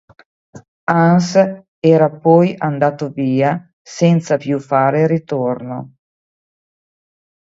Hans era poi andato via senza più fare ritorno.